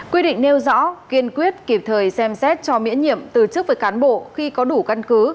quy định nêu rõ kiên quyết kịp thời xem xét cho miễn nhiệm từ chức với cán bộ khi có đủ căn cứ